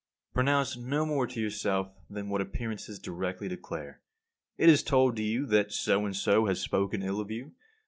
49. Pronounce no more to yourself than what appearances directly declare. It is told you that so and so has spoken ill of you.